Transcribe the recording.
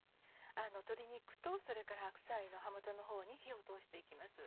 鶏肉と白菜の葉元のほうに火を通して行きます。